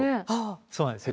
そうなんですよ。